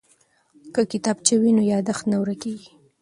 که کتابچه وي نو یادښت نه ورکیږي.